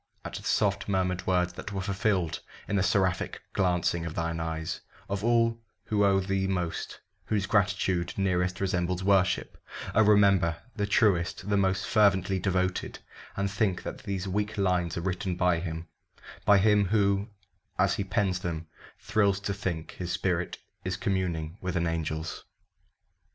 At the soft murmured words that were fulfilled In the seraphic glancing of thine eyes Of all who owe thee most whose gratitude Nearest resembles worship oh, remember The truest the most fervently devoted, And think that these weak lines are written by him By him who, as he pens them, thrills to think His spirit is communing with an angel's.